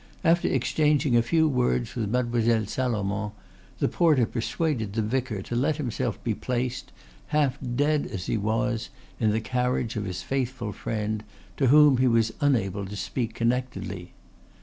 After exchanging a few words with Mademoiselle Salomon the porter persuaded the vicar to let himself be placed, half dead as he was, in the carriage of his faithful friend, to whom he was unable to speak connectedly.